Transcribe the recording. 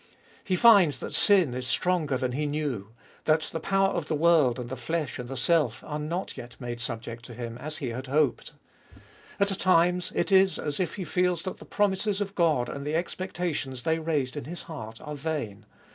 He finds that sin is stronger than he knew ; that the power of the world and the flesh and self are not yet made subject to him as he had hoped. At times it is as if he feels that the promises of God, and the expectations they raised in his heart, are vain.